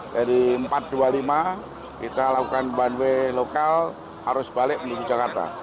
jadi empat ratus dua puluh lima kita lakukan one way lokal arus balik menuju jakarta